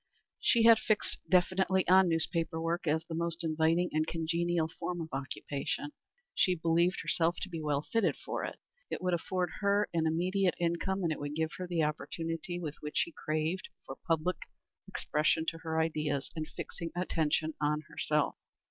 She had fixed definitely on newspaper work as the most inviting and congenial form of occupation. She believed herself to be well fitted for it. It would afford her an immediate income, and it would give her the opportunity which she craved for giving public expression to her ideas and fixing attention on herself.